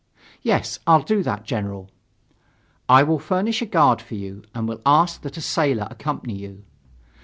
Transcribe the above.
"Yes, I'll do that, General!" "I will furnish a guard for you and will ask that a sailor accompany you."